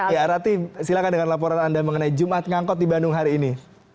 ya rati silakan dengan laporan anda mengenai jumat ngangkot di bandung hari ini